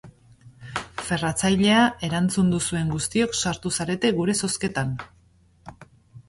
Ferratzailea erantzun duzuen guztiok sartu zarete gure zozketan.